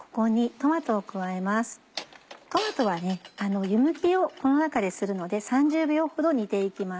トマトは湯むきをこの中でするので３０秒ほど煮て行きます。